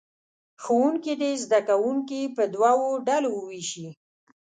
ښوونکي دې زه کوونکي په دوو ډلو ووېشي.